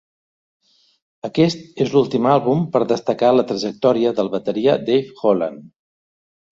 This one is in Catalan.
Aquest és l'últim àlbum per destacar la trajectòria del bateria Dave Holland.